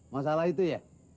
masalah itu ya